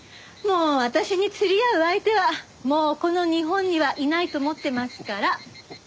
もう私に釣り合う相手はもうこの日本にはいないと思ってますから。